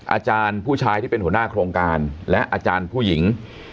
อาจารย์ผู้ชายที่เป็นหัวหน้าโครงการและอาจารย์ผู้หญิง